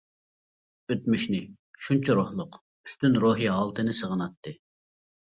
ئۆتمۈشىنى، شۇنچە روھلۇق، ئۈستۈن روھىي ھالىتىنى سېغىناتتى.